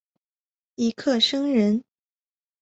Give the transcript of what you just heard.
尹克升人。